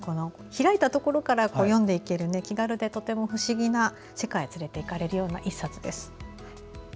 開いたところから読んでいける気軽でとても不思議な世界に連れていかれるような１冊です。